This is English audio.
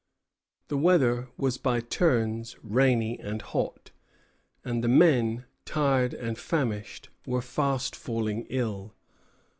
The weather was by turns rainy and hot; and the men, tired and famished, were fast falling ill.